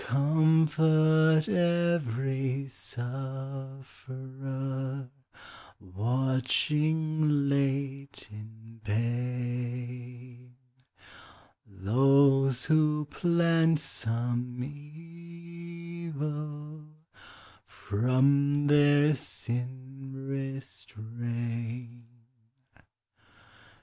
Comfort every sufferer Watching late in pain; Those who plan some evil From their sin restrain.